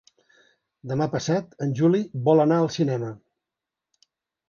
Demà passat en Juli vol anar al cinema.